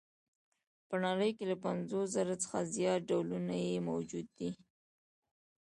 په نړۍ کې له پنځوس زره څخه زیات ډولونه یې موجود دي.